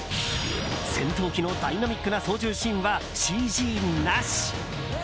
戦闘機のダイナミックな操縦シーンはＣＧなし。